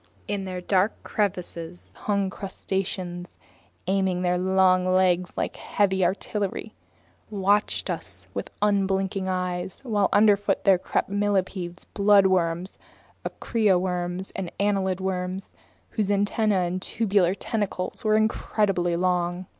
In their dark crevices huge crustaceans, aiming their long legs like heavy artillery, watched us with unblinking eyes, while underfoot there crept millipedes, bloodworms, aricia worms, and annelid worms, whose antennas and tubular tentacles were incredibly long.